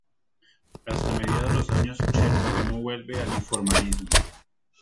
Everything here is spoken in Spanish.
Hasta mediados los años ochenta no vuelve al Informalismo.